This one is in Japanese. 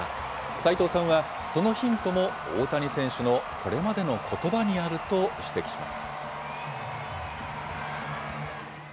齋藤さんは、そのヒントも大谷選手のこれまでのことばにあると指摘します。